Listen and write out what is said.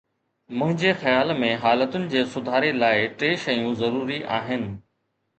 منهنجي خيال ۾ حالتن جي سڌاري لاءِ ٽي شيون ضروري آهن.